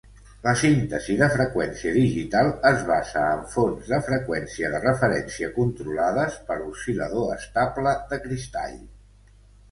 La síntesi de freqüència digital es basa en fonts de freqüència de referència controlades per oscil·lador estable de cristall.